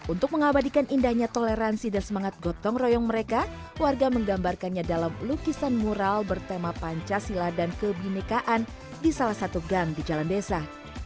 untuk mengabadikan indahnya toleransi dan semangat gotong royong mereka warga menggambarkannya dalam lukisan mural bertema pancasila dan kebinekaan di salah satu gang di jalan desa